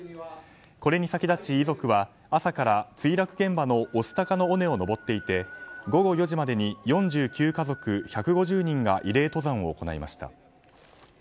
これに先立ち、遺族は朝から墜落現場の御巣鷹の尾根を登っていて午後４時までに４９家族１５０人が慰霊登山を行いました。